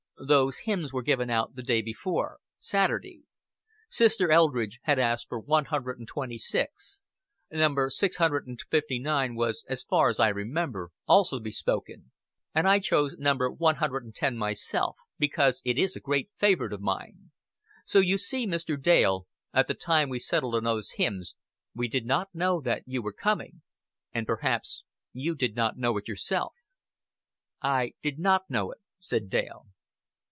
"Those hymns were given out the day before Saturday. Sister Eldridge had asked for one hundred and twenty six; number six hundred and fifty nine was, as far as I remember, also bespoken; and I chose number one hundred and ten myself because it is a great favorite of mine. So you see, Mr. Dale, at the time we settled on those hymns, we did not know that you were coming and perhaps you did not know it yourself." "I did not know it," said Dale.